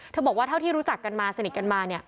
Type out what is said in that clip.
บอกว่าเท่าที่รู้จักกันมาสนิทกันมา